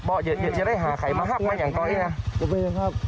บอกอย่าได้หาใครมาหับมันอย่างก่อนเนี้ยก็ไปอย่างครับ